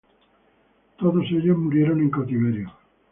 Todos ellos murieron en cautiverio.